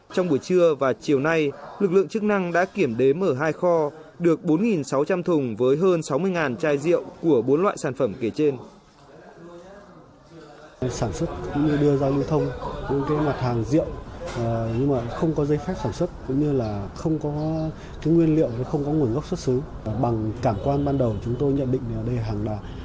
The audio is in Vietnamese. trong buổi trưa và chiều nay lực lượng chức năng đã kiểm đếm ở hai kho được bốn sáu trăm linh thùng với hơn sáu mươi chai rượu của bốn loại sản phẩm kể trên